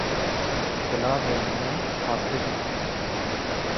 Kulavên me paqij in.